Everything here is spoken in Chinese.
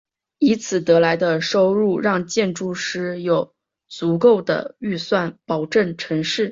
以此得来的收入让建筑师有足够的预算保证成事。